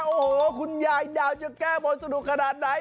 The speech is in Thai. โอ้โหคุณยายดาวจะแก้บนสนุกขนาดไหน